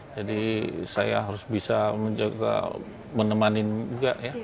jadi saya harus bisa menemanin juga